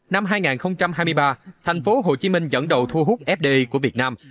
năm hai nghìn hai mươi ba thành phố hồ chí minh dẫn đầu thu hút fdi của việt nam